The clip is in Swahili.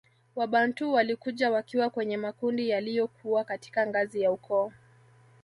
Wabantu walikuja wakiwa kwenye makundi yaliyokuwa katika ngazi ya ukoo